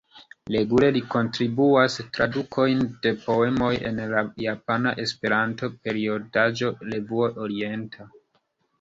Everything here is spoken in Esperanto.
Regule li kontribuas tradukojn de poemoj en la japana Esperanto-periodaĵo Revuo Orienta.